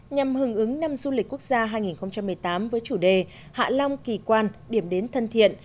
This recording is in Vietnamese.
nhằm hưởng ứng năm du lịch quốc gia hai nghìn một mươi tám với chủ đề hạ long kỳ quan điểm đến thân thiện